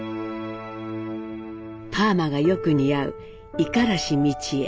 パーマがよく似合う五十嵐美智榮。